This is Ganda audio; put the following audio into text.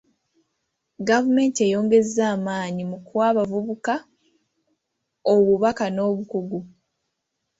Gavumenti eyongezza amaanyi mu kuwa abavubuka obubaka n'obukugu.